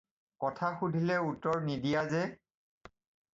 কথা সুধিলে উত্তৰ নিদিয়া যে?